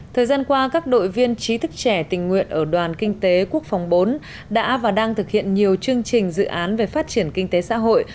thời gian qua các đội viên trí thức trẻ tình nguyện ở đoàn kinh tế quốc phòng bốn đã và đang thực hiện nhiều chương trình dự án về phát triển kinh tế xã hội